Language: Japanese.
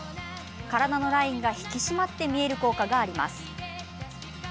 体のラインが引き締まって見える効果があります。